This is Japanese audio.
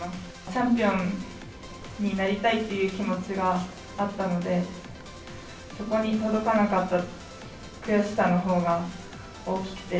チャンピオンになりたいっていう気持ちがあったので、そこに届かなかった悔しさのほうが大きくて、